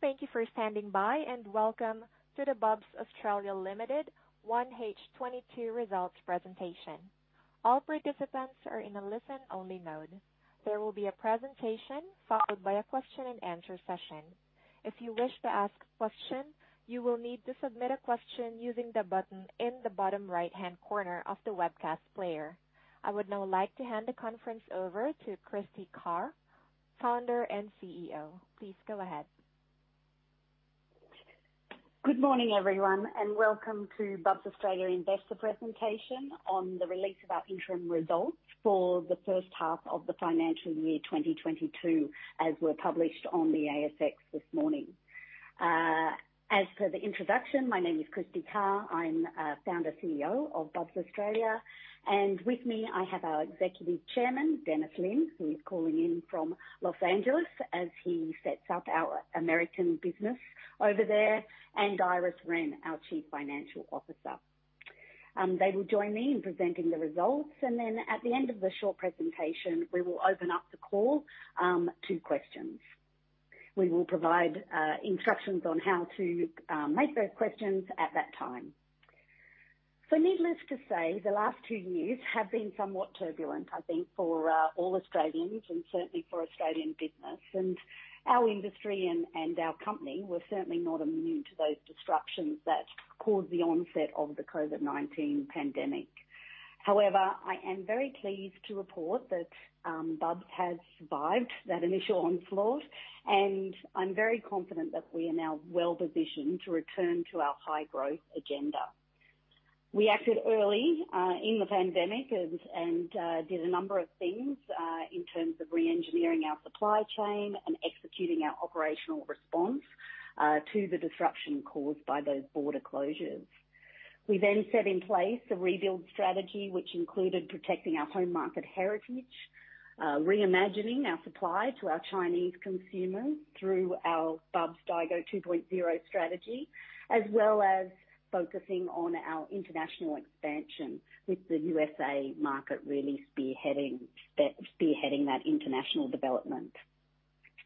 Thank you for standing by, and welcome to the Bubs Australia Limited 1H22 results presentation. All participants are in a listen-only mode. There will be a presentation followed by a question and answer session. If you wish to ask a question, you will need to submit a question using the button in the bottom right-hand corner of the webcast player. I would now like to hand the conference over to Kristy Carr, Founder and CEO. Please go ahead. Good morning, everyone, and welcome to Bubs Australia Investor Presentation on the release of our interim results for the first half of the financial year 2022, as were published on the ASX this morning. As per the introduction, my name is Kristy Carr. I'm Founder, CEO of Bubs Australia. With me, I have our Executive Chairman, Dennis Lin, who is calling in from Los Angeles as he sets up our American business over there, and Iris Ren, our Chief Financial Officer. They will join me in presenting the results. Then at the end of the short presentation, we will open up the call to questions. We will provide instructions on how to make those questions at that time. Needless to say, the last two years have been somewhat turbulent, I think, for all Australians and certainly for Australian business. Our industry and our company were certainly not immune to those disruptions that caused the onset of the COVID-19 pandemic. However, I am very pleased to report that Bubs has survived that initial onslaught, and I'm very confident that we are now well-positioned to return to our high-growth agenda. We acted early in the pandemic and did a number of things in terms of reengineering our supply chain and executing our operational response to the disruption caused by those border closures. We set in place a rebuild strategy which included protecting our home market heritage, reimagining our supply to our Chinese consumers through our Bubs Daigou 2.0 strategy, as well as focusing on our international expansion with the USA market really spearheading that international development.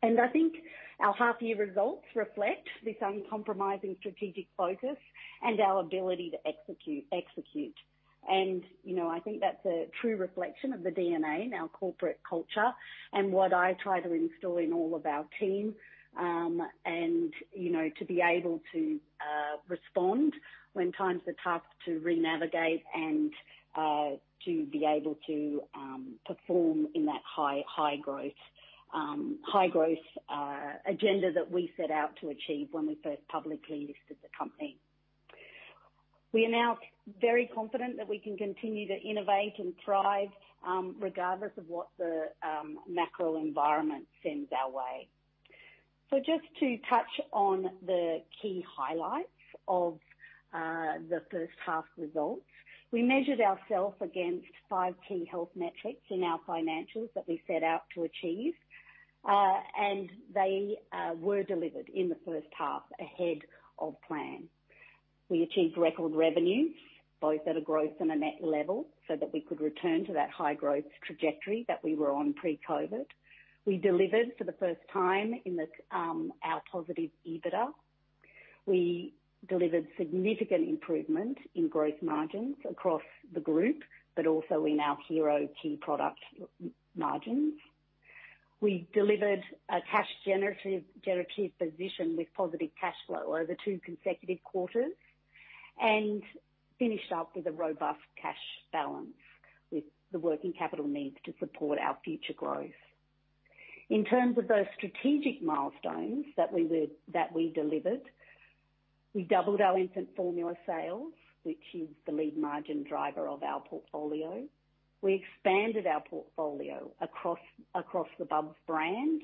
I think our half-year results reflect this uncompromising strategic focus and our ability to execute. You know, I think that's a true reflection of the DNA in our corporate culture and what I try to instill in all of our team, and, you know, to be able to respond when times are tough, to renavigate and to be able to perform in that high growth agenda that we set out to achieve when we first publicly listed the company. We are now very confident that we can continue to innovate and thrive, regardless of what the macro environment sends our way. Just to touch on the key highlights of the first half results. We measured ourselves against five key health metrics in our financials that we set out to achieve, and they were delivered in the first half ahead of plan. We achieved record revenue, both at a growth and a net level, so that we could return to that high growth trajectory that we were on pre-COVID-19. We delivered for the first time our positive EBITDA. We delivered significant improvement in gross margins across the group, but also in our hero key product margins. We delivered a cash generative position with positive cash flow over two consecutive quarters and finished up with a robust cash balance with the working capital needs to support our future growth. In terms of those strategic milestones that we delivered, we doubled our infant formula sales, which is the lead margin driver of our portfolio. We expanded our portfolio across the Bubs brand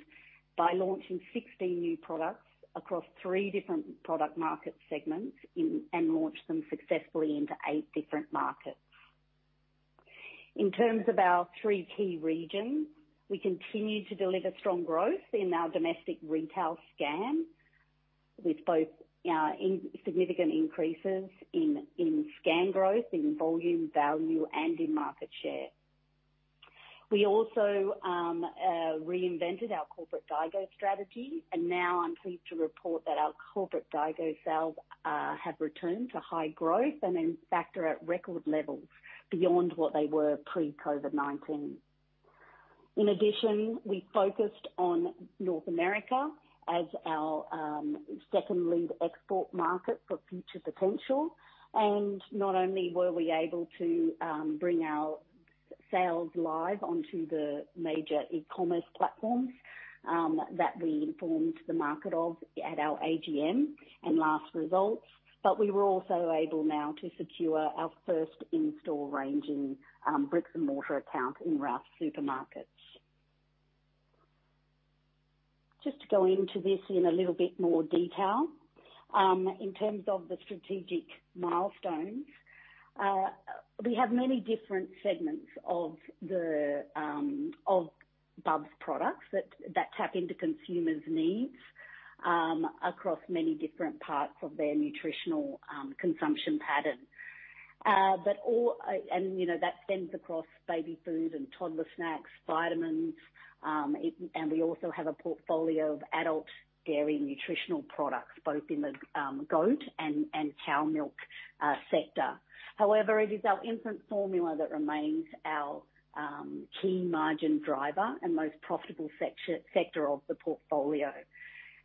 by launching 16 new products across 3 different product market segments and launched them successfully into 8 different markets. In terms of our 3 key regions, we continue to deliver strong growth in our domestic retail scan, with significant increases in scan growth, in volume, value, and in market share. We also reinvented our corporate Daigou strategy, and now I'm pleased to report that our corporate Daigou sales have returned to high growth and in fact are at record levels beyond what they were pre-COVID-19. In addition, we focused on North America as our second lead export market for future potential. Not only were we able to bring our sales live onto the major e-commerce platforms that we informed the market of at our AGM and last results, but we were also able now to secure our first in-store range in bricks and mortar account in Ralphs supermarkets. Just to go into this in a little bit more detail. In terms of the strategic milestones, we have many different segments of the Bubs products that tap into consumers' needs across many different parts of their nutritional consumption pattern. But all and, you know, that extends across baby food and toddler snacks, vitamins, and we also have a portfolio of adult dairy nutritional products both in the goat and cow milk sector. However, it is our infant formula that remains our key margin driver and most profitable sector of the portfolio.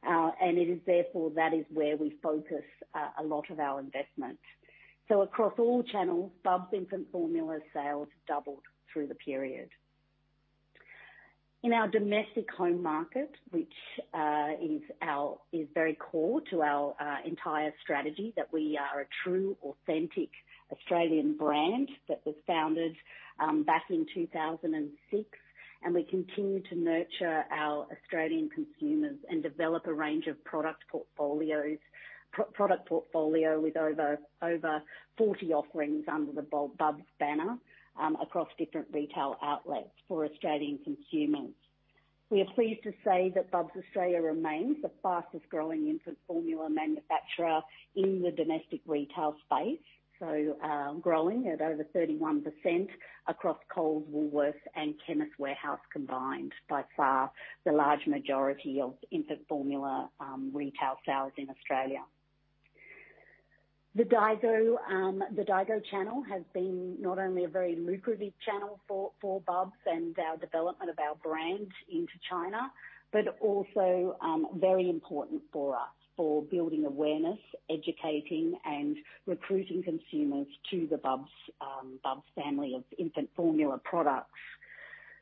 It is therefore where we focus a lot of our investments. Across all channels, Bubs infant formula sales doubled through the period. In our domestic home market, which is very core to our entire strategy, that we are a true, authentic Australian brand that was founded back in 2006, and we continue to nurture our Australian consumers and develop a product portfolio with over 40 offerings under the Bubs banner across different retail outlets for Australian consumers. We are pleased to say that Bubs Australia remains the fastest growing infant formula manufacturer in the domestic retail space. Growing at over 31% across Coles, Woolworths, and Chemist Warehouse combined, by far the large majority of infant formula retail sales in Australia. The Daigou channel has been not only a very lucrative channel for Bubs and our development of our brand into China, but also very important for us for building awareness, educating and recruiting consumers to the Bubs family of infant formula products.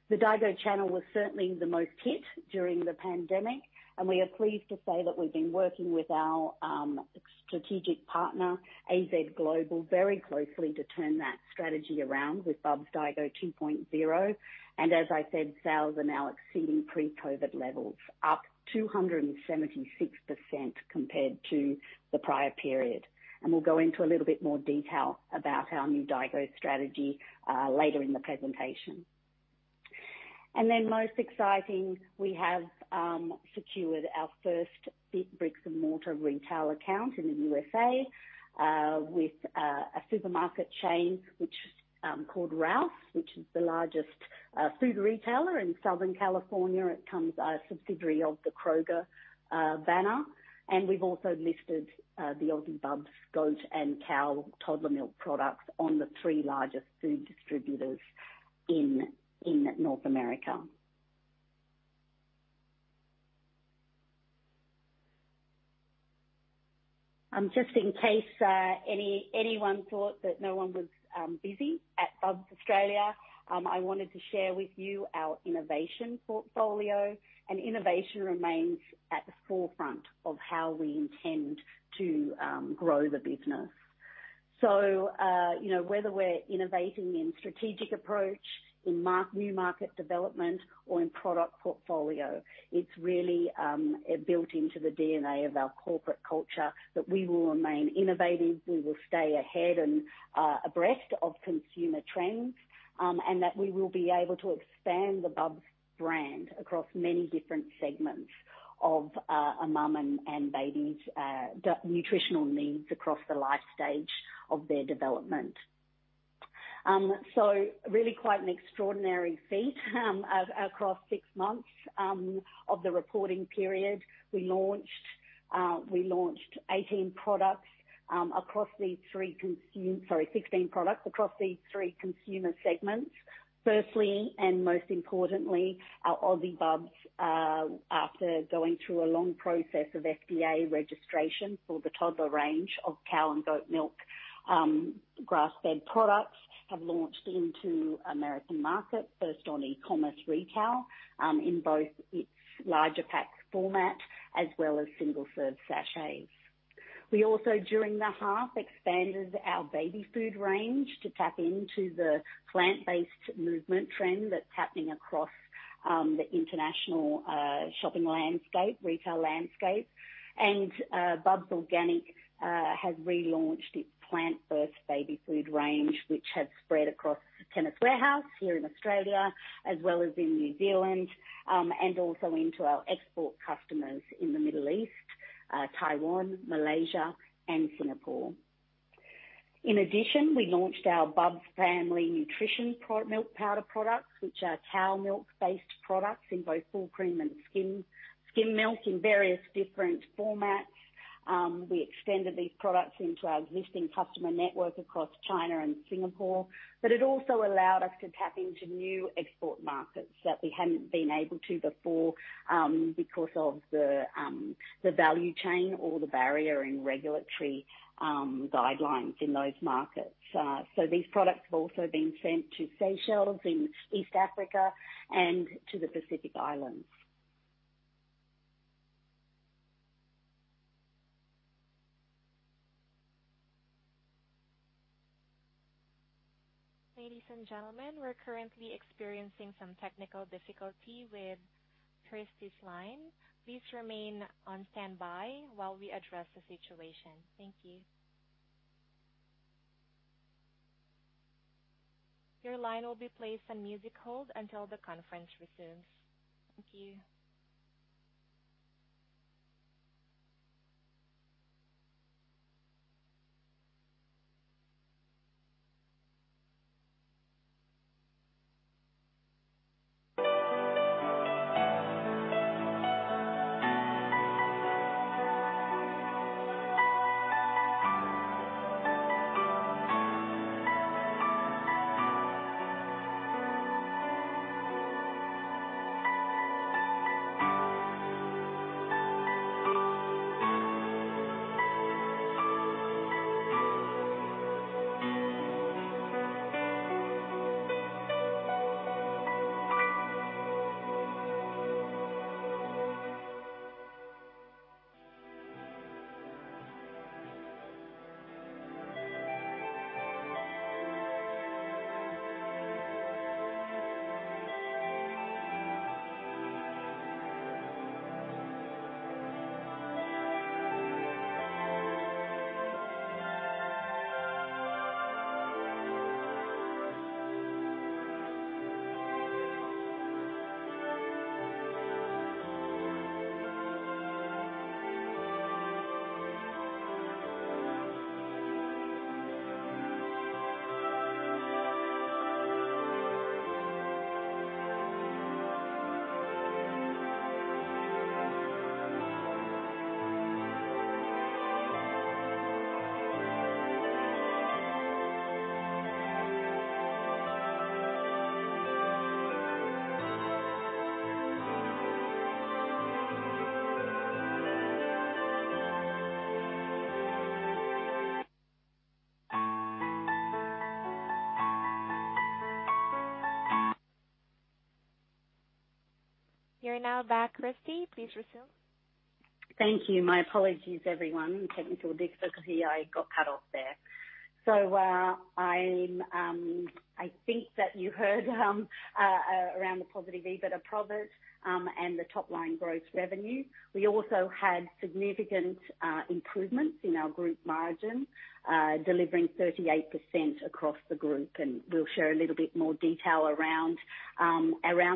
The Daigou channel was certainly the most hit during the pandemic, and we are pleased to say that we've been working with our strategic partner, AZ Global, very closely to turn that strategy around with Bubs Daigou 2.0. As I said, sales are now exceeding pre-COVID levels, up 276% compared to the prior period. We'll go into a little bit more detail about our new Daigou strategy later in the presentation. Most exciting, we have secured our first bricks and mortar retail account in the USA with a supermarket chain called Ralphs, which is the largest food retailer in Southern California. It is a subsidiary of the Kroger banner, and we've also listed the Aussie Bubs goat and cow toddler milk products on the three largest food distributors in North America. Just in case anyone thought that no one was busy at Bubs Australia, I wanted to share with you our innovation portfolio. Innovation remains at the forefront of how we intend to grow the business. You know, whether we're innovating in strategic approach, in new market development or in product portfolio, it's really built into the DNA of our corporate culture that we will remain innovative, we will stay ahead and abreast of consumer trends, and that we will be able to expand the Bubs brand across many different segments of a mom and baby's nutritional needs across the life stage of their development. Really quite an extraordinary feat. Across six months of the reporting period, we launched 18 products Sorry, 16 products across these three consumer segments. Firstly, and most importantly, our Aussie Bubs, after going through a long process of FDA registration for the toddler range of cow and goat milk grass-fed products, have launched into American markets, first on e-commerce retail, in both its larger pack format as well as single-serve sachets. We also, during the half, expanded our baby food range to tap into the plant-based movement trend that's happening across the international retail landscape. Bubs Organic has relaunched its Plant First baby food range, which has spread across Chemist Warehouse here in Australia as well as in New Zealand, and also into our export customers in the Middle East, Taiwan, Malaysia, and Singapore. In addition, we launched our Bubs Family Nutrition milk powder products, which are cow milk-based products in both full cream and skim milk in various different formats. We extended these products into our existing customer network across China and Singapore, but it also allowed us to tap into new export markets that we hadn't been able to before, because of the value chain or the barrier in regulatory guidelines in those markets. These products have also been sent to Seychelles in East Africa and to the Pacific Islands. Ladies and gentlemen, we're currently experiencing some technical difficulty with Kristy's line. Please remain on standby while we address the situation. Thank you. Your line will be placed on music hold until the conference resumes. Thank you. You're now back, Kristy. Please resume. Thank you. My apologies everyone. Technical difficulty. I got cut off there. I think that you heard around the positive EBITDA profit and the top line gross revenue. We also had significant improvements in our group margin delivering 38% across the group, and we'll share a little bit more detail around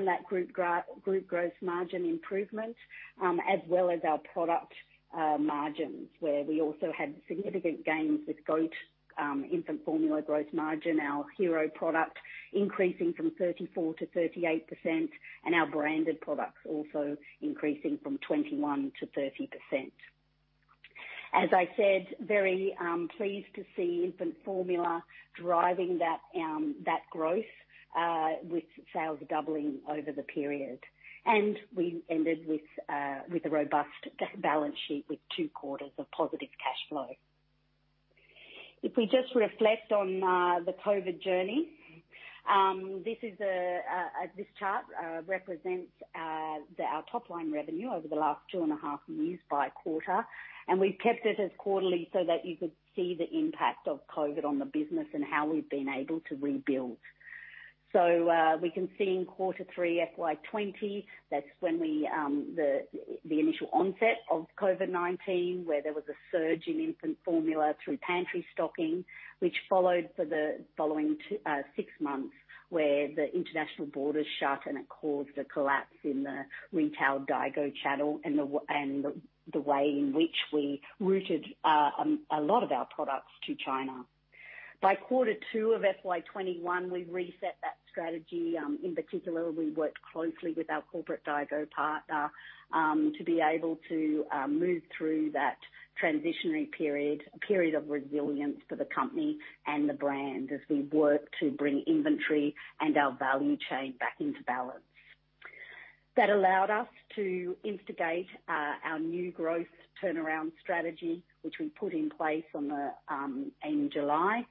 that group gross margin improvement as well as our product margins, where we also had significant gains with goat infant formula gross margin, our hero product increasing from 34-38% and our branded products also increasing from 21-30%. As I said, very pleased to see infant formula driving that growth with sales doubling over the period. We ended with a robust balance sheet with two quarters of positive cash flow. If we just reflect on the COVID journey, this chart represents our top line revenue over the last two and a half years by quarter, and we've kept it as quarterly so that you could see the impact of COVID on the business and how we've been able to rebuild. We can see in quarter three FY 2020, that's when we, the initial onset of COVID-19, where there was a surge in infant formula through pantry stocking, which followed for the following six months, where the international borders shut and it caused a collapse in the retail Daigou channel and the way in which we routed a lot of our products to China. By quarter two of FY 2021, we reset that strategy. In particular, we worked closely with our corporate Daigou partner, to be able to move through that transitional period, a period of resilience for the company and the brand as we worked to bring inventory and our value chain back into balance. That allowed us to instigate our new growth turnaround strategy, which we put in place in July.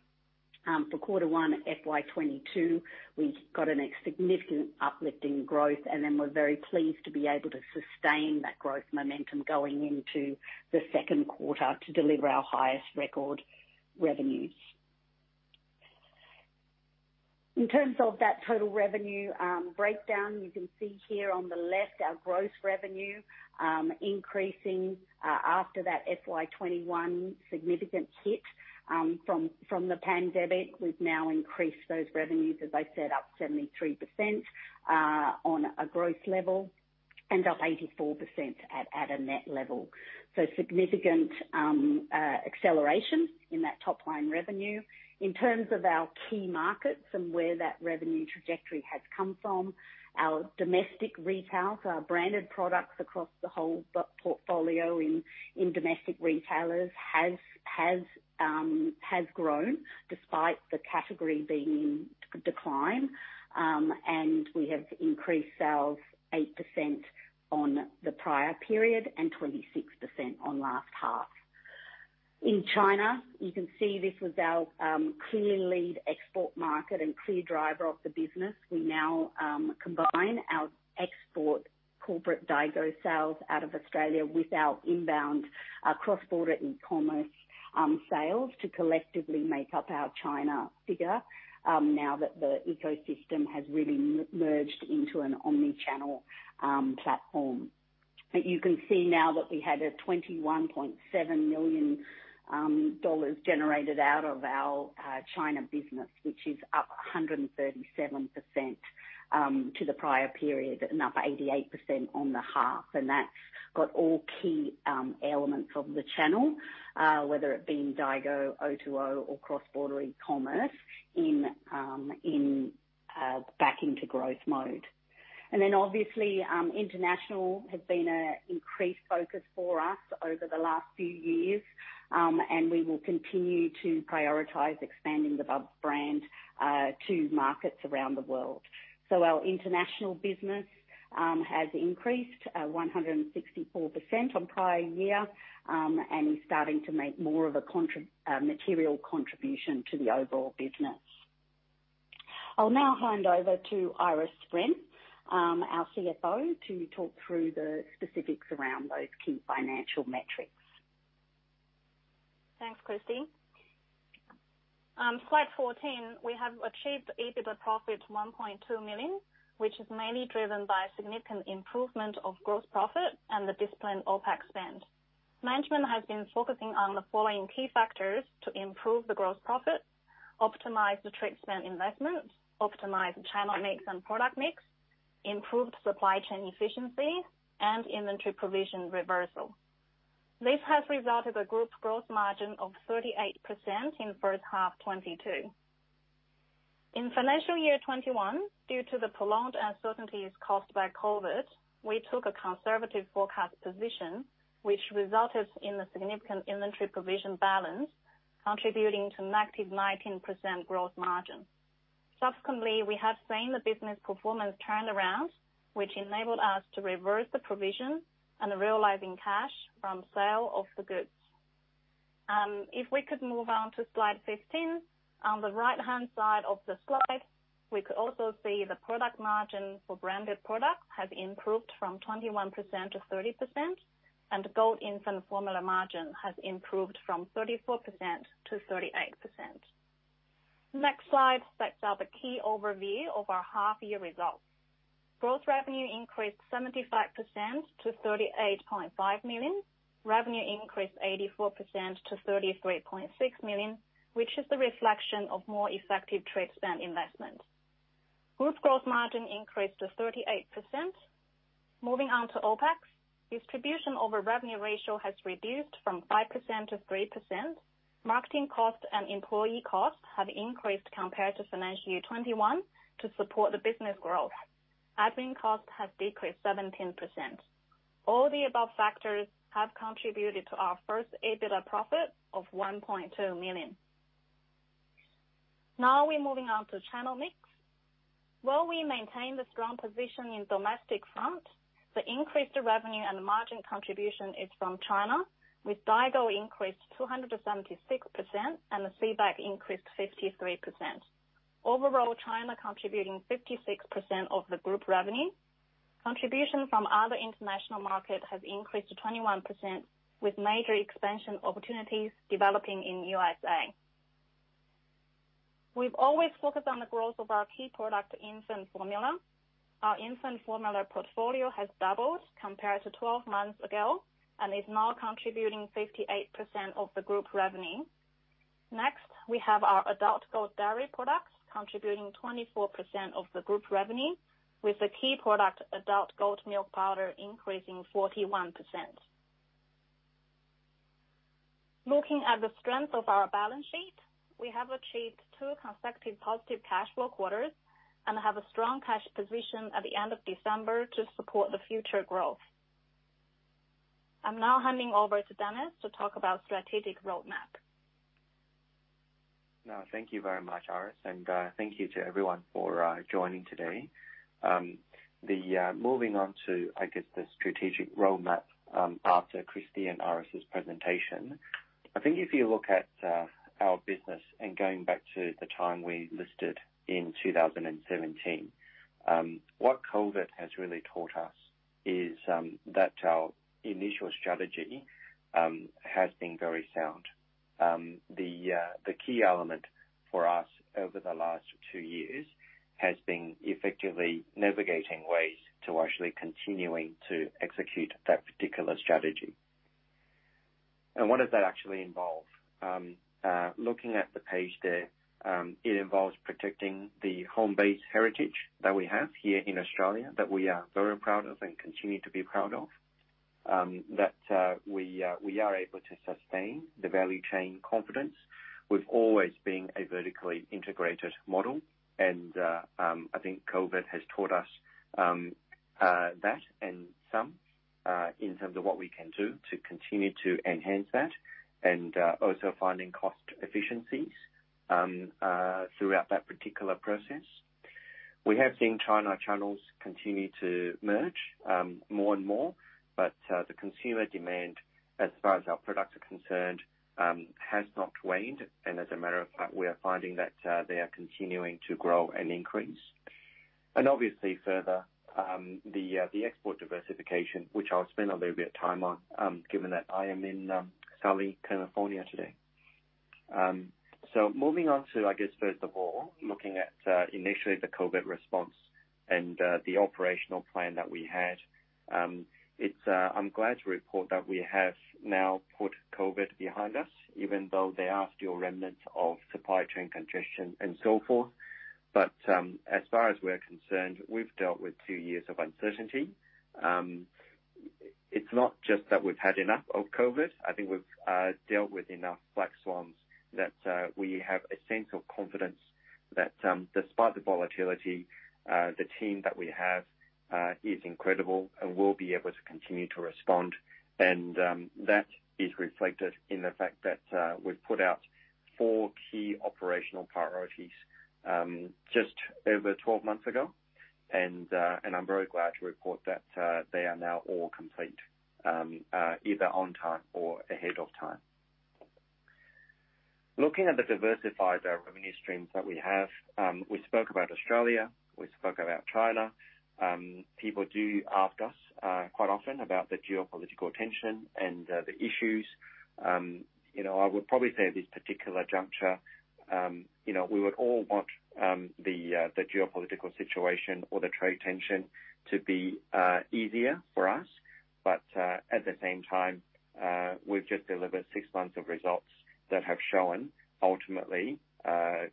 For quarter one FY 2022, we got a significant uplift in growth, and then we're very pleased to be able to sustain that growth momentum going into the second quarter to deliver our highest record revenues. In terms of that total revenue breakdown, you can see here on the left our gross revenue increasing after that FY 2021 significant hit from the pandemic. We've now increased those revenues, as I said, up 73% on a growth level and up 84% at a net level. Significant acceleration in that top line revenue. In terms of our key markets and where that revenue trajectory has come from, our domestic retail, so our branded products across the whole Bubs portfolio in domestic retailers has grown despite the category being in decline. We have increased sales 8% on the prior period and 26% on last half. In China, you can see this was our clearly leading export market and clear driver of the business. We now combine our export corporate Daigou sales out of Australia with our inbound cross-border e-commerce sales to collectively make up our China figure now that the ecosystem has really merged into an omni-channel platform. You can see now that we had $21.7 million generated out of our China business, which is up 137% to the prior period and up 88% on the half. That's got all key elements of the channel whether it be Daigou, O2O or cross-border e-commerce back into growth mode. Then obviously international has been an increased focus for us over the last few years. We will continue to prioritize expanding the Bubs brand to markets around the world. Our international business has increased 164% on prior year and is starting to make more of a material contribution to the overall business. I'll now hand over to Iris Ren, our CFO, to talk through the specifics around those key financial metrics. Thanks, Kristy. Slide 14, we have achieved EBITDA profit of 1.2 million, which is mainly driven by significant improvement of gross profit and the disciplined OpEx spend. Management has been focusing on the following key factors to improve the gross profit, optimize the trade spend investment, optimize channel mix and product mix, improve supply chain efficiency, and inventory provision reversal. This has resulted in a group's gross margin of 38% in the first half 2022. In financial year 2021, due to the prolonged uncertainties caused by COVID, we took a conservative forecast position, which resulted in a significant inventory provision balance, contributing to -19% gross margin. Subsequently, we have seen the business performance turn around, which enabled us to reverse the provision and realize cash from sale of the goods. If we could move on to slide 15. On the right-hand side of the slide, we could also see the product margin for branded products has improved from 21 to 30%, and Goat infant formula margin has improved from 34 to 38%. Next slide sets out the key overview of our half year results. Gross revenue increased 75% to 38.5 million. Revenue increased 84% to 33.6 million, which is the reflection of more effective trade spend investment. Group gross margin increased to 38%. Moving on to OpEx, distribution over revenue ratio has reduced from 5% to 3%. Marketing costs and employee costs have increased compared to financial year 2021 to support the business growth. Admin costs have decreased 17%. All the above factors have contributed to our first EBITDA profit of 1.2 million. Now, we're moving on to channel mix. While we maintain the strong position in domestic front, the increased revenue and margin contribution is from China, with Daigou increased 276% and the CBEC increased 53%. Overall, China contributing 56% of the group revenue. Contribution from other international market has increased to 21%, with major expansion opportunities developing in U.S. We've always focused on the growth of our key product, infant formula. Our infant formula portfolio has doubled compared to 12 months ago, and is now contributing 58% of the group revenue. Next, we have our adult goat dairy products contributing 24% of the group revenue with the key product, adult goat milk powder, increasing 41%. Looking at the strength of our balance sheet, we have achieved two consecutive positive cash flow quarters and have a strong cash position at the end of December to support the future growth. I'm now handing over to Dennis to talk about strategic roadmap. No, thank you very much, Iris, and thank you to everyone for joining today. Moving on to, I guess, the strategic roadmap after Kristy and Iris' presentation. I think if you look at our business and going back to the time we listed in 2017, what COVID has really taught us is that our initial strategy has been very sound. The key element for us over the last two years has been effectively navigating ways to actually continuing to execute that particular strategy. What does that actually involve? Looking at the page there, it involves protecting the home-based heritage that we have here in Australia that we are very proud of and continue to be proud of that we are able to sustain the value chain confidence. We've always been a vertically integrated model and I think COVID has taught us that and some in terms of what we can do to continue to enhance that and also finding cost efficiencies throughout that particular process. We have seen China channels continue to merge more and more, but the consumer demand as far as our products are concerned has not waned. As a matter of fact, we are finding that they are continuing to grow and increase. Obviously further, the export diversification, which I'll spend a little bit of time on, given that I am in sunny California today. Moving on to, I guess, first of all, looking at initially the COVID response and the operational plan that we had. I'm glad to report that we have now put COVID behind us, even though there are still remnants of supply chain congestion and so forth. As far as we're concerned, we've dealt with two years of uncertainty. It's not just that we've had enough of COVID. I think we've dealt with enough black swans that we have a sense of confidence that, despite the volatility, the team that we have is incredible and will be able to continue to respond. That is reflected in the fact that we've put out four key operational priorities just over 12 months ago. I'm very glad to report that they are now all complete either on time or ahead of time. Looking at the diversified revenue streams that we have, we spoke about Australia, we spoke about China. People do ask us quite often about the geopolitical tension and the issues. You know, I would probably say at this particular juncture, you know, we would all want the geopolitical situation or the trade tension to be easier for us. At the same time, we've just delivered six months of results that have shown ultimately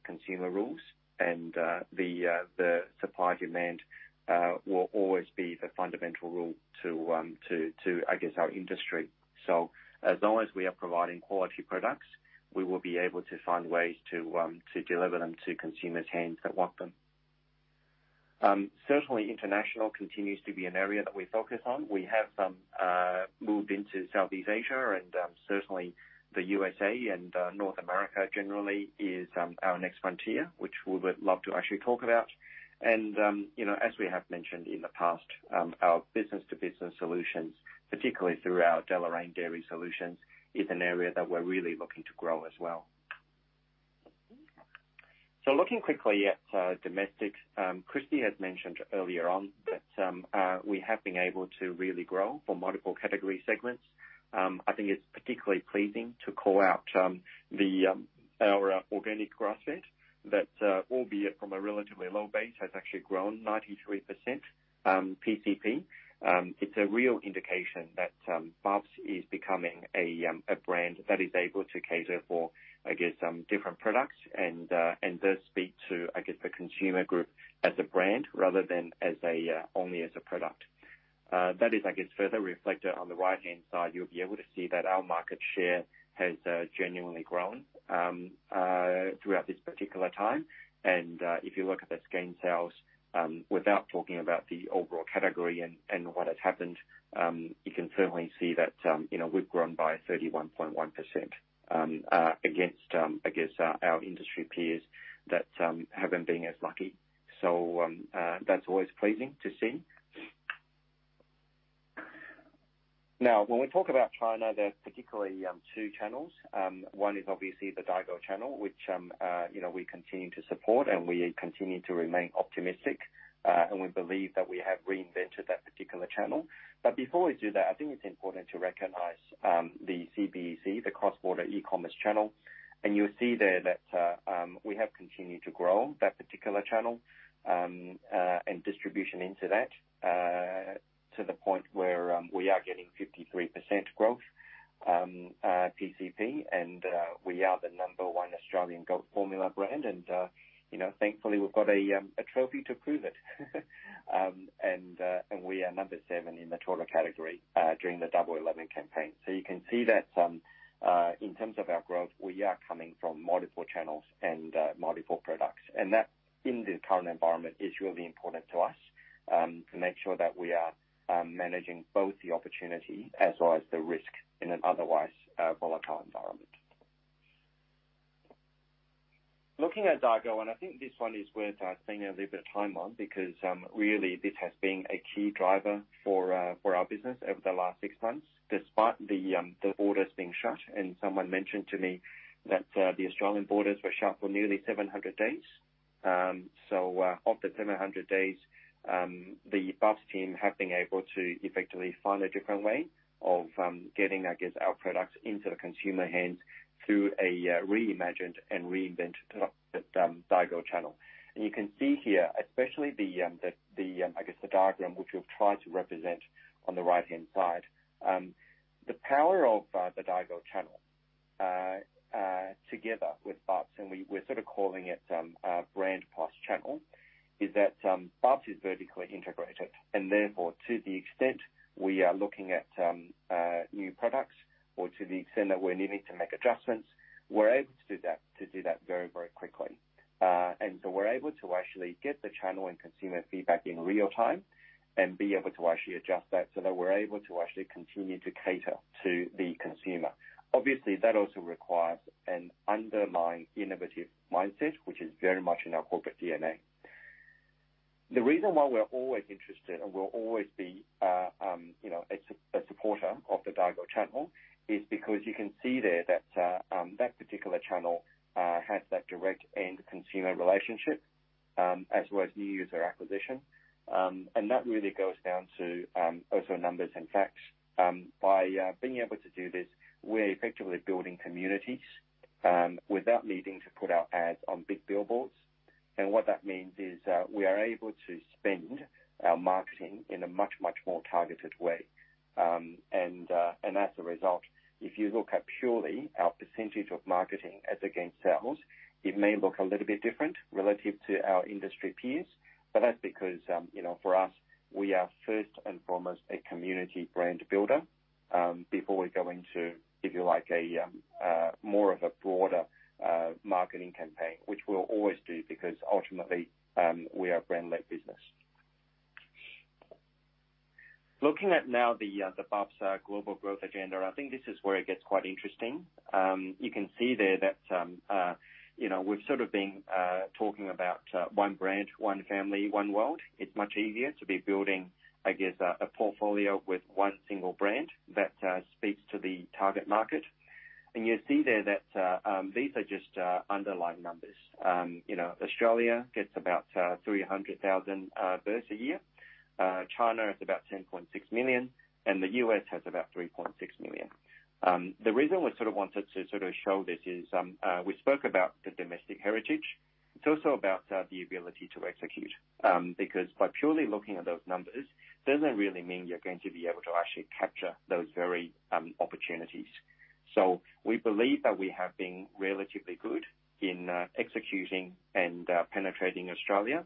consumers rule and the supply-demand will always be the fundamental rule to our industry. As long as we are providing quality products, we will be able to find ways to deliver them to consumers' hands that want them. Certainly international continues to be an area that we focus on. We have moved into Southeast Asia and certainly the USA and North America generally is our next frontier, which we would love to actually talk about. You know, as we have mentioned in the past, our business-to-business solutions, particularly through our Deloraine Dairy Solutions, is an area that we're really looking to grow as well. Looking quickly at domestics, Kristy had mentioned earlier on that we have been able to really grow for multiple category segments. I think it's particularly pleasing to call out our Organic Grass-Fed that, albeit from a relatively low base, has actually grown 93%, PCP. It's a real indication that Bubs is becoming a brand that is able to cater for, I guess, some different products and does speak to, I guess, the consumer group as a brand rather than as only a product. That is, I guess, further reflected on the right-hand side, you'll be able to see that our market share has genuinely grown throughout this particular time. If you look at the scan sales, without talking about the overall category and what has happened, you can certainly see that, you know, we've grown by 31.1%, against, I guess, our industry peers that haven't been as lucky. That's always pleasing to see. Now, when we talk about China, there's particularly two channels. One is obviously the Daigou channel, which, you know, we continue to support and we continue to remain optimistic, and we believe that we have reinvented that particular channel. Before we do that, I think it's important to recognize the CBEC, the Cross-Border E-Commerce channel. You'll see there that we have continued to grow that particular channel and distribution into that to the point where we are getting 53% growth PCP, and we are the number one Australian goat formula brand. You know, thankfully, we've got a trophy to prove it. We are number seven in the total category during the Double Eleven campaign. You can see that in terms of our growth, we are coming from multiple channels and multiple products. That, in the current environment, is really important to us to make sure that we are managing both the opportunity as well as the risk in an otherwise volatile environment. Looking at Daigou. I think this one is worth spending a little bit of time on because really this has been a key driver for our business over the last 6 months, despite the borders being shut. Someone mentioned to me that the Australian borders were shut for nearly 700 days. Of the 700 days, the Bubs team have been able to effectively find a different way of getting, I guess, our products into the consumer hands through a reimagined and reinvented Daigou channel. You can see here, especially the diagram which we've tried to represent on the right-hand side. The power of the Daigou channel together with Bubs, and we're sort of calling it a brand plus channel, is that Bubs is vertically integrated, and therefore, to the extent we are looking at new products or to the extent that we're needing to make adjustments, we're able to do that very quickly. We're able to actually get the channel and consumer feedback in real time and be able to actually adjust that so that we're able to actually continue to cater to the consumer. Obviously, that also requires an underlying innovative mindset, which is very much in our corporate DNA. The reason why we're always interested and will always be, you know, a supporter of the Daigou channel is because you can see there that that particular channel has that direct end consumer relationship, as well as new user acquisition. That really goes down to also numbers and facts. By being able to do this, we're effectively building communities without needing to put our ads on big billboards. What that means is we are able to spend our marketing in a much, much more targeted way. As a result, if you look at purely our percentage of marketing as against sales, it may look a little bit different relative to our industry peers, but that's because, you know, for us, we are first and foremost a community brand builder, before we go into, if you like, a more of a broader marketing campaign, which we'll always do because ultimately, we are a brand led business. Looking at now the Bubs global growth agenda, I think this is where it gets quite interesting. You can see there that, you know, we've sort of been talking about one brand, one family, one world. It's much easier to be building, I guess, a portfolio with one single brand that speaks to the target market. You see there that these are just underlying numbers. You know, Australia gets about 300,000 births a year. China has about 10.6 million, and the U.S. has about 3.6 million. The reason we sort of wanted to sort of show this is we spoke about the domestic heritage. It's also about the ability to execute because by purely looking at those numbers doesn't really mean you're going to be able to actually capture those very opportunities. We believe that we have been relatively good in executing and penetrating Australia.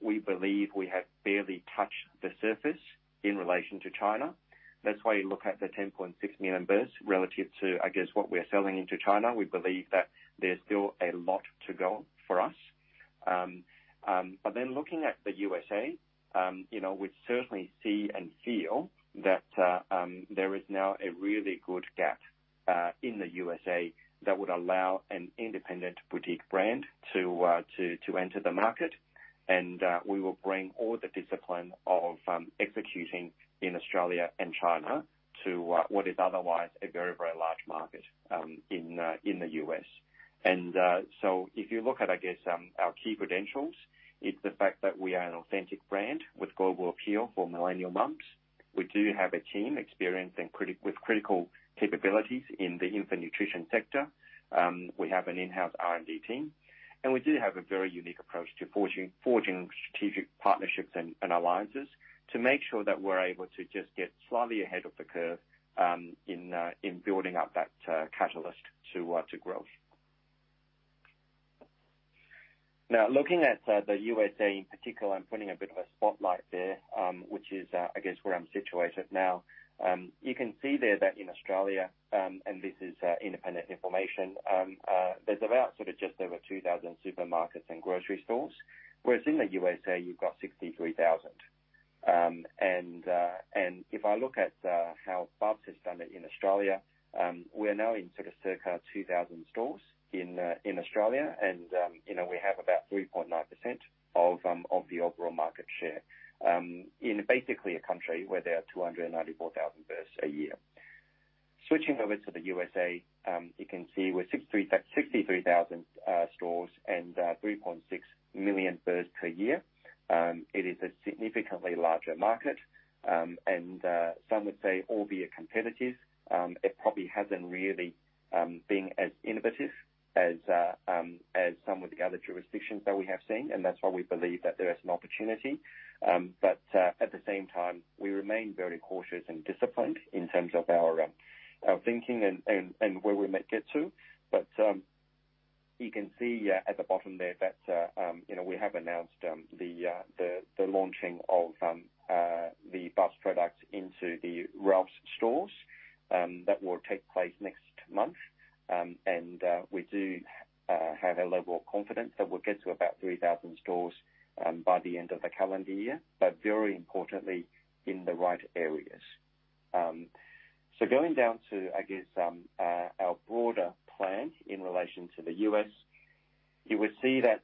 We believe we have barely touched the surface in relation to China. That's why you look at the 10.6 million births relative to, I guess, what we're selling into China. We believe that there's still a lot to go for us. Looking at the U.S., you know, we certainly see and feel that there is now a really good gap in the U.S. that would allow an independent boutique brand to enter the market. We will bring all the discipline of executing in Australia and China to what is otherwise a very, very large market in the U.S. If you look at, I guess, our key credentials, it's the fact that we are an authentic brand with global appeal for millennial moms. We do have team experience and critical capabilities in the infant nutrition sector. We have an in-house R&D team, and we do have a very unique approach to forging strategic partnerships and alliances to make sure that we're able to just get slightly ahead of the curve in building up that catalyst to growth. Now, looking at the USA in particular, I'm putting a bit of a spotlight there, which is, I guess where I'm situated now. You can see there that in Australia, and this is independent information, there's about sort of just over 2,000 supermarkets and grocery stores, whereas in the USA you've got 63,000. If I look at how Bubs has done it in Australia, we're now in sort of circa 2,000 stores in Australia. You know, we have about 3.9% of the overall market share in basically a country where there are 294,000 births a year. Switching over to the USA, you can see we're 63,000 stores and 3.6 million births per year. It is a significantly larger market. Some would say, albeit competitive, it probably hasn't really been as innovative as some of the other jurisdictions that we have seen, and that's why we believe that there is an opportunity. At the same time, we remain very cautious and disciplined in terms of our thinking and where we might get to. You can see at the bottom there that you know, we have announced the launching of the Bubs product into the Ralphs stores that will take place next month. We do have a level of confidence that we'll get to about 3,000 stores by the end of the calendar year, but very importantly in the right areas. Going down to I guess our broader plan in relation to the U.S., you would see that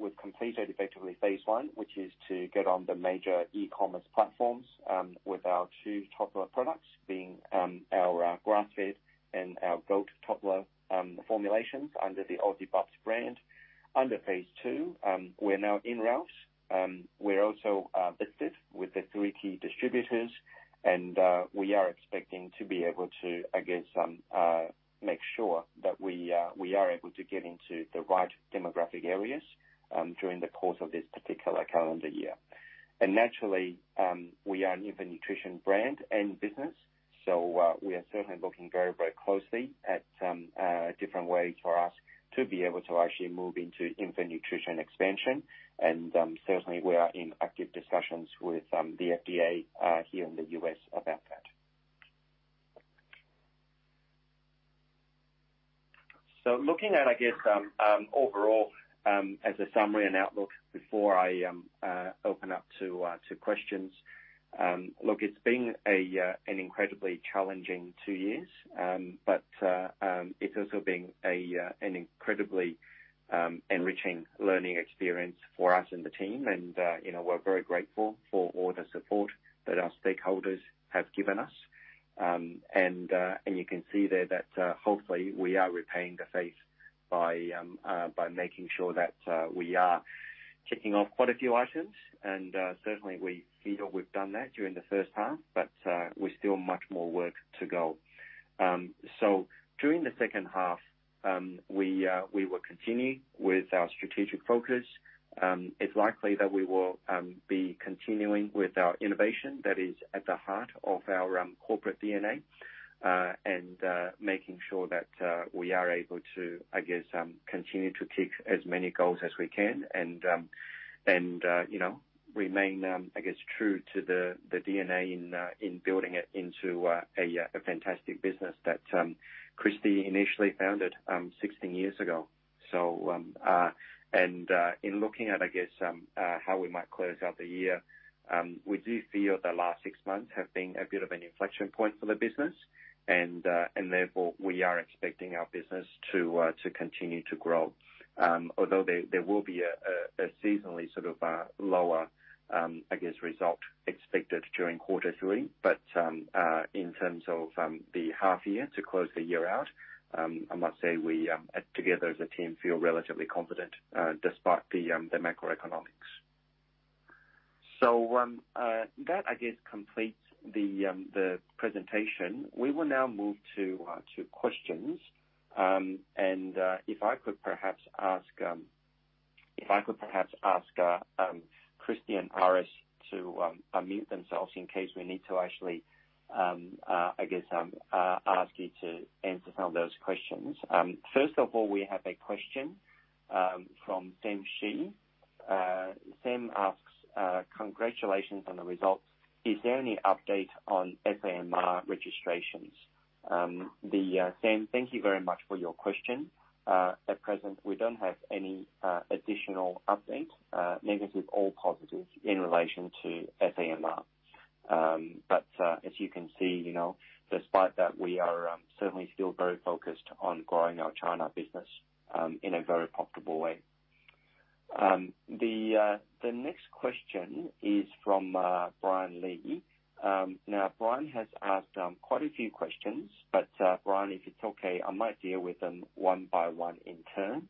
we've completed effectively phase one, which is to get on the major e-commerce platforms with our two toddler products being our grass-fed and our goat toddler formulations under the Aussie Bubs brand. Under phase two, we're now in Ralphs. We're also listed with the three key distributors and we are expecting to be able to, I guess, make sure that we are able to get into the right demographic areas during the course of this particular calendar year. Naturally, we are an infant nutrition brand and business, so we are certainly looking very, very closely at different ways for us to be able to actually move into infant nutrition expansion. Certainly we are in active discussions with the FDA here in the U.S. about that. Looking at, I guess, overall, as a summary and outlook before I open up to questions. Look, it's been an incredibly challenging two years. It's also been an incredibly enriching learning experience for us and the team. You know, we're very grateful for all the support that our stakeholders have given us. You can see there that hopefully we are repaying the faith by making sure that we are ticking off quite a few items, and certainly we feel we've done that during the first half, but we still have much more work to go. During the second half, we will continue with our strategic focus. It's likely that we will be continuing with our innovation that is at the heart of our corporate DNA and making sure that we are able to, I guess, continue to tick as many goals as we can and, you know, remain, I guess true to the DNA in building it into a fantastic business that Kristy initially founded 16 years ago. In looking at, I guess, how we might close out the year, we do feel the last 6 months have been a bit of an inflection point for the business, and therefore we are expecting our business to continue to grow. Although there will be a seasonally sort of lower, I guess, result expected during quarter three. In terms of the half year to close the year out, I must say we together as a team feel relatively confident despite the macroeconomics. That I guess completes the presentation. We will now move to questions. If I could perhaps ask Kristy and Iris to unmute themselves in case we need to actually I guess ask you to answer some of those questions. First of all, we have a question from Sam Shi. Sam asks, "Congratulations on the results. Is there any update on SAMR registrations? Sam, thank you very much for your question. At present, we don't have any additional update, negative or positive in relation to SAMR. As you can see, you know, despite that, we are certainly still very focused on growing our China business in a very profitable way. The next question is from Brian Lee. Now, Brian has asked quite a few questions, but Brian, if it's okay, I might deal with them one by one in turn.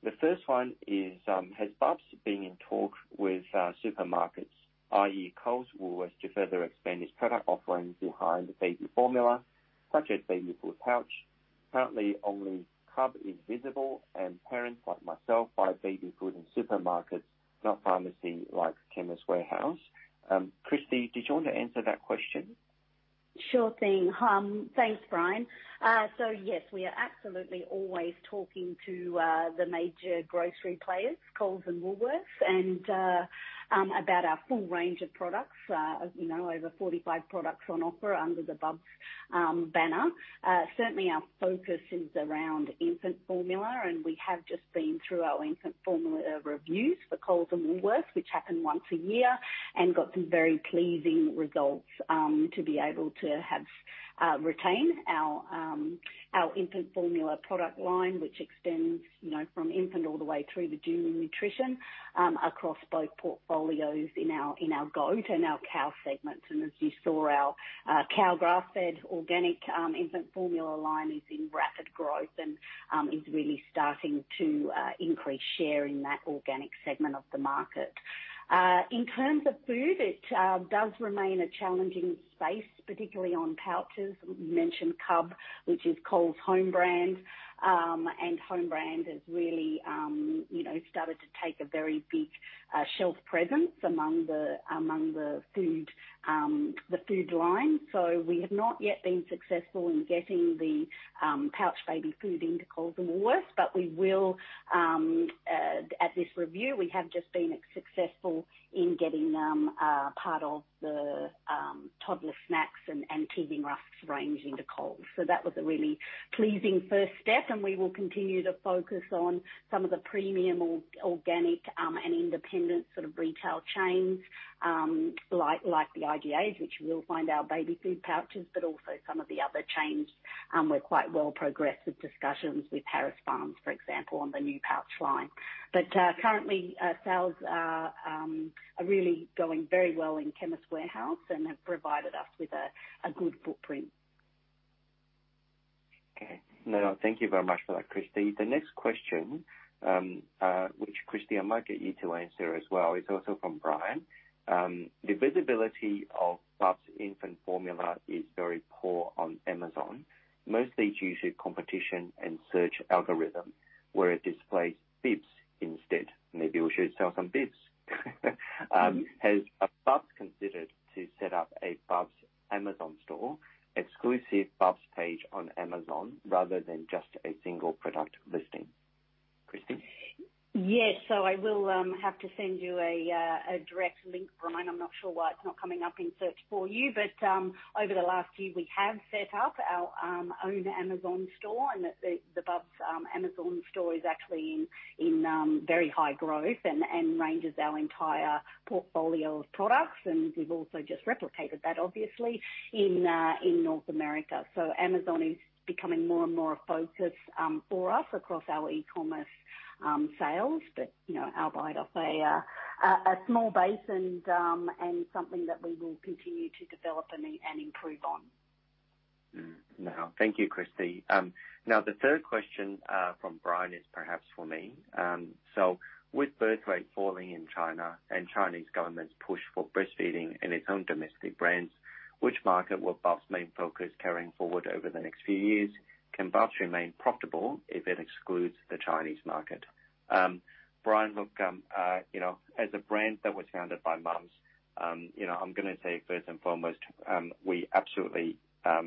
The first one is, "Has Bubs been in talks with supermarkets, i.e., Coles, Woolworths, to further expand its product offerings beyond baby formula, such as baby food pouch? Currently, only CUB is visible, and parents like myself buy baby food in supermarkets, not pharmacy like Chemist Warehouse. Kristy, did you want to answer that question? Sure thing. Thanks, Brian. Yes, we are absolutely always talking to the major grocery players, Coles and Woolworths, and about our full range of products. As you know, over 45 products on offer under the Bubs banner. Certainly our focus is around infant formula, and we have just been through our infant formula reviews for Coles and Woolworths, which happen once a year, and got some very pleasing results to be able to retain our infant formula product line, which extends, you know, from infant all the way through to junior nutrition, across both portfolios in our goat and our cow segments. As you saw, our cow grass-fed organic infant formula line is in rapid growth and is really starting to increase share in that organic segment of the market. In terms of food, it does remain a challenging space, particularly on pouches. You mentioned CUB, which is Coles' home brand. Home brand has really, you know, started to take a very big shelf presence among the food line. We have not yet been successful in getting the pouch baby food into Coles and Woolworths, but we will at this review, we have just been successful in getting part of the toddler snacks and teething rusks range into Coles. That was a really pleasing first step, and we will continue to focus on some of the premium organic and independent sort of retail chains, like the IGAs, which you will find our baby food pouches, but also some of the other chains. We're quite well progressed with discussions with Harris Farm, for example, on the new pouch line. Currently, sales are really going very well in Chemist Warehouse and have provided us with a good footprint. Okay. No, thank you very much for that, Kristy. The next question, which, Kristy, I might get you to answer as well, is also from Brian. The visibility of Bubs infant formula is very poor on Amazon, mostly due to competition and search algorithm, where it displays bibs instead. Maybe we should sell some bibs. Has Bubs considered to set up a Bubs Amazon store, exclusive Bubs page on Amazon, rather than just a single product listing? Kristy? Yes, I will have to send you a direct link, Brian. I'm not sure why it's not coming up in search for you. Over the last year, we have set up our own Amazon store, and the Bubs Amazon store is actually in very high growth and ranges our entire portfolio of products. We've also just replicated that obviously in North America. Amazon is becoming more and more a focus for us across our e-commerce sales, but you know, albeit off a small base and something that we will continue to develop and improve on. Now thank you, Kristy. Now the third question from Brian is perhaps for me. So with birth rate falling in China and Chinese government's push for breastfeeding and its own domestic brands, which market will Bubs' main focus carrying forward over the next few years? Can Bubs remain profitable if it excludes the Chinese market? Brian, look, you know, as a brand that was founded by moms, you know, I'm gonna say first and foremost, we absolutely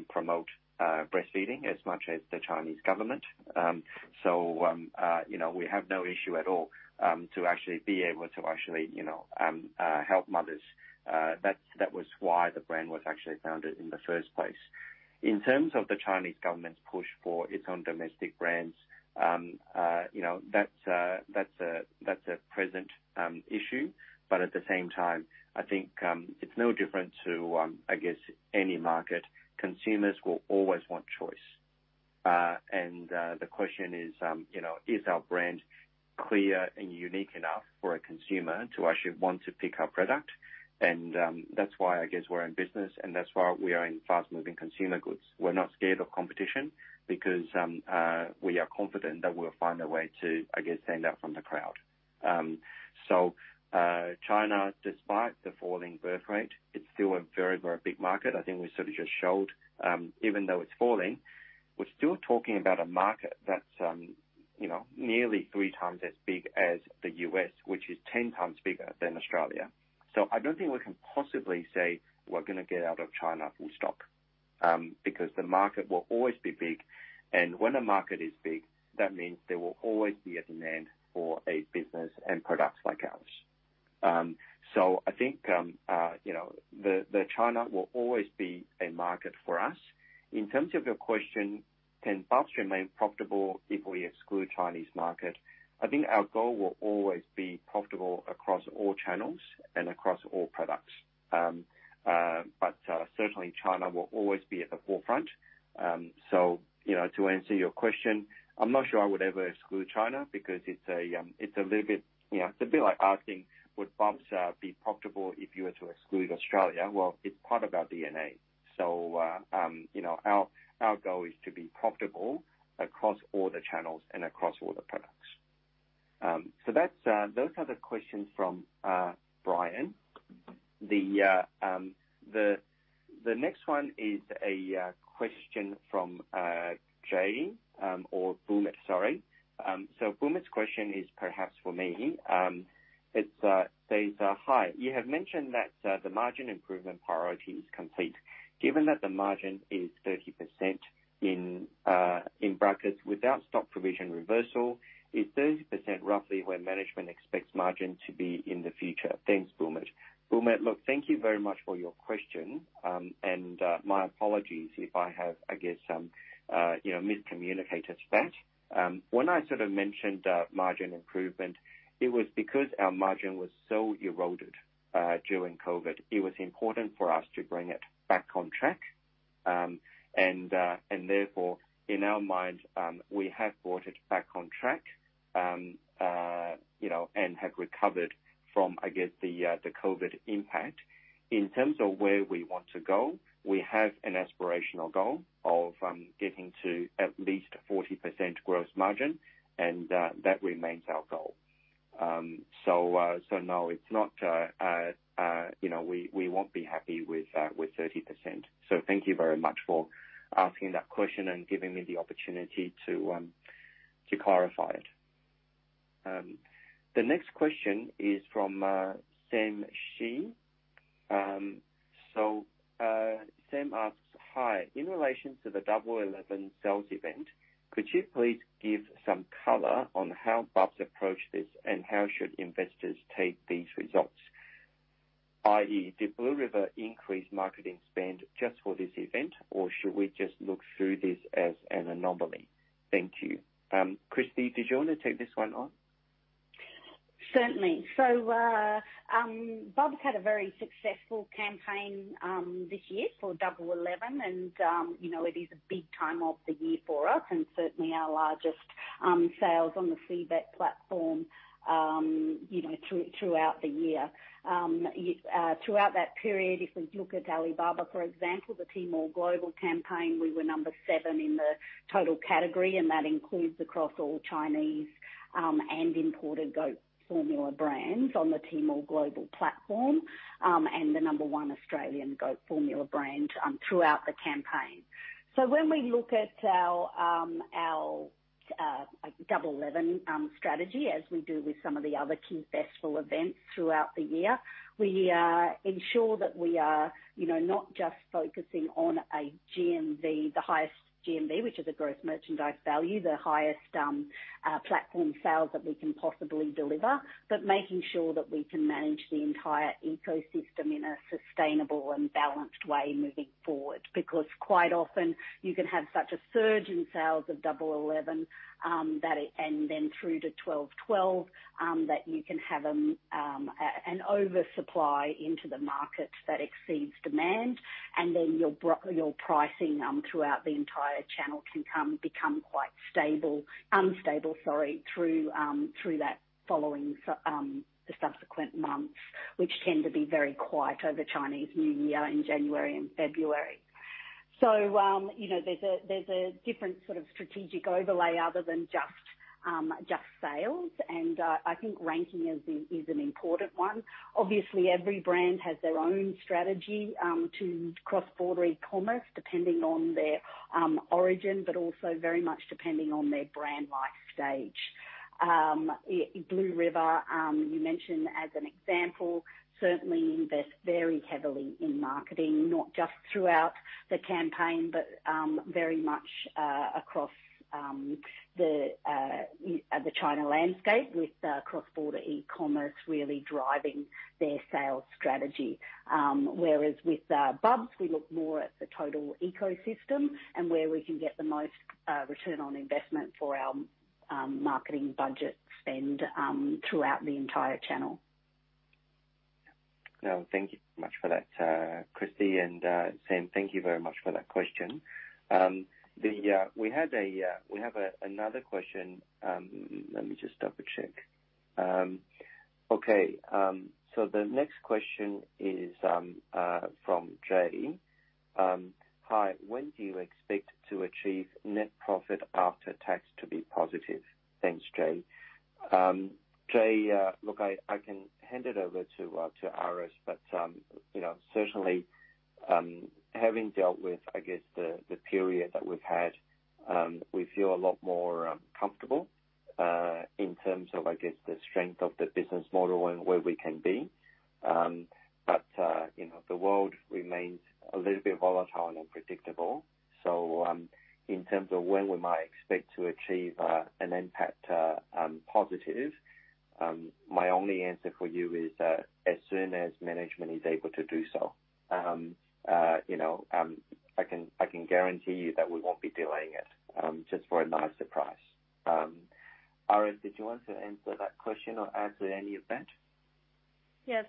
promote breastfeeding as much as the Chinese government. So, you know, we have no issue at all to actually be able to you know help mothers. That was why the brand was actually founded in the first place. In terms of the Chinese government's push for its own domestic brands, you know, that's a pressing issue, but at the same time, I think it's no different to, I guess, any market. Consumers will always want choice. The question is, you know, is our brand clear and unique enough for a consumer to actually want to pick our product? That's why I guess we're in business, and that's why we are in fast-moving consumer goods. We're not scared of competition because we are confident that we'll find a way to, I guess, stand out from the crowd. China, despite the falling birth rate, it's still a very, very big market. I think we sort of just showed, even though it's falling, we're still talking about a market that's, you know, nearly three times as big as the U.S., which is 10 times bigger than Australia. I don't think we can possibly say we're gonna get out of China full stop, because the market will always be big. When a market is big, that means there will always be a demand for a business and products like ours. I think, you know, the China will always be a market for us. In terms of your question, can Bubs remain profitable if we exclude Chinese market? I think our goal will always be profitable across all channels and across all products. Certainly China will always be at the forefront. You know, to answer your question, I'm not sure I would ever exclude China because it's a little bit, you know, it's a bit like asking would Bubs be profitable if you were to exclude Australia. Well, it's part of our DNA. You know, our goal is to be profitable across all the channels and across all the products. Those are the questions from Brian. The next one is a question from Jay or Bhumit, sorry. Bhumit's question is perhaps for me. It says, "Hi, you have mentioned that the margin improvement priority is complete. Given that the margin is 30% in brackets without stock provision reversal, is 30% roughly where management expects margin to be in the future? Thanks, Bhumit. Bhumit, look, thank you very much for your question. My apologies if I have, I guess, you know, miscommunicated that. When I sort of mentioned margin improvement, it was because our margin was so eroded during COVID. It was important for us to bring it back on track. Therefore, in our minds, we have brought it back on track, you know, and have recovered from, I guess, the COVID impact. In terms of where we want to go, we have an aspirational goal of getting to at least 40% gross margin, and that remains our goal. No, it's not, you know, we won't be happy with 30%. Thank you very much for asking that question and giving me the opportunity to clarify it. The next question is from Sam Shi. Sam asks, "Hi, in relation to the Double Eleven sales event, could you please give some color on how Bubs approach this and how should investors take these results? I.e., did Blue River increase marketing spend just for this event or should we just look through this as an anomaly? Thank you." Kristy, did you wanna take this one on? Certainly. Bubs had a very successful campaign this year for Double Eleven and you know it is a big time of the year for us and certainly our largest sales on the Tmall Global platform you know throughout the year. Throughout that period, if we look at Alibaba, for example, the Tmall Global campaign, we were number 7 in the total category and that includes across all Chinese and imported goat formula brands on the Tmall Global platform and the number 1 Australian goat formula brand throughout the campaign. When we look at our Double Eleven strategy as we do with some of the other key festival events throughout the year, we ensure that we are, you know, not just focusing on a GMV, the highest GMV which is a gross merchandise value, the highest platform sales that we can possibly deliver, but making sure that we can manage the entire ecosystem in a sustainable and balanced way moving forward. Because quite often you can have such a surge in sales of Double Eleven that and then through to Double 12 that you can have an oversupply into the market that exceeds demand and then your pricing throughout the entire channel can become quite unstable, sorry, through the following subsequent months which tend to be very quiet over Chinese New Year in January and February. You know, there's a different sort of strategic overlay other than just sales. I think ranking is an important one. Obviously, every brand has their own strategy to cross-border e-commerce depending on their origin, but also very much depending on their brand life stage. Blue River, you mentioned as an example, certainly invest very heavily in marketing, not just throughout the campaign, but very much across the China landscape with cross-border e-commerce really driving their sales strategy. Whereas with Bubs, we look more at the total ecosystem and where we can get the most return on investment for our marketing budget spend throughout the entire channel. No, thank you so much for that, Kristy, and, Sam, thank you very much for that question. We have another question. Let me just double-check. Okay. The next question is from Jay. "Hi, when do you expect to achieve net profit after tax to be positive? Thanks, Jay." Jay, look, I can hand it over to Iris, but you know, certainly, having dealt with, I guess the period that we've had, we feel a lot more comfortable in terms of, I guess, the strength of the business model and where we can be. You know, the world remains a little bit volatile and unpredictable. In terms of when we might expect to achieve a positive impact, my only answer for you is that as soon as management is able to do so. You know, I can guarantee you that we won't be delaying it just for a nice surprise. Iris, did you want to answer that question or add to any of that?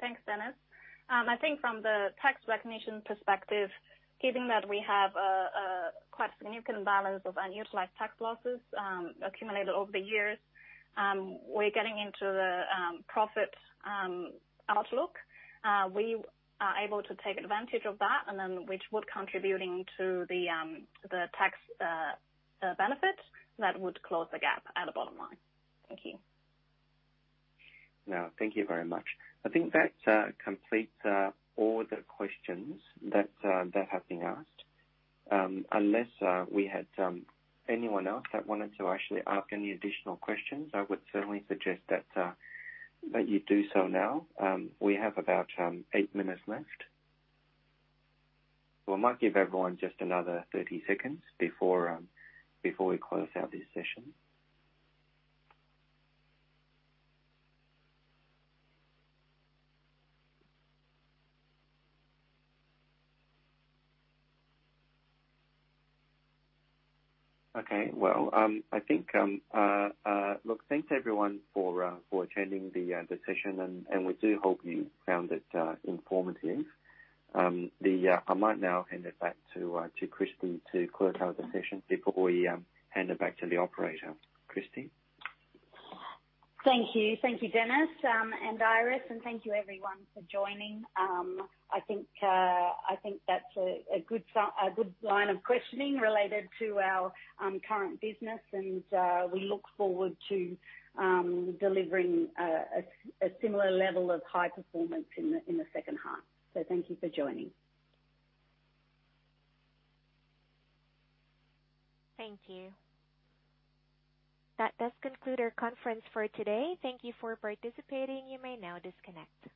Thanks, Dennis. I think from the tax recognition perspective, given that we have quite significant balance of unutilized tax losses accumulated over the years, we're getting into the profit outlook. We are able to take advantage of that and then which would contributing to the tax benefit that would close the gap at the bottom line. Thank you. Now, thank you very much. I think that completes all the questions that have been asked. Unless we had anyone else that wanted to actually ask any additional questions, I would certainly suggest that you do so now. We have about 8 minutes left. I might give everyone just another 30 seconds before we close out this session. Okay. Well, I think. Look, thanks everyone for attending the session, and we do hope you found it informative. I might now hand it back to Kristy to close out the session before we hand it back to the operator. Kristy? Thank you. Thank you, Dennis, and Iris, and thank you everyone for joining. I think that's a good line of questioning related to our current business and we look forward to delivering a similar level of high performance in the second half. Thank you for joining. Thank you. That does conclude our conference for today. Thank you for participating. You may now disconnect.